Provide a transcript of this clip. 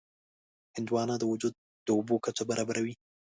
هندوانه د وجود د اوبو کچه برابروي.